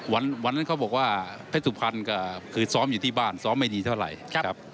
วันนั้นเขาบอกว่าแพทย์สุภัณฑ์ก็คือซ้อมอยู่ที่บ้านซ้อมไม่ดีเท่าไหร่